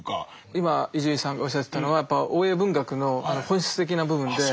今伊集院さんがおっしゃってたのはやっぱり大江文学の本質的な部分で。